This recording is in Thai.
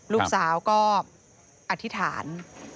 ลูกสาวก็อธิษฐาน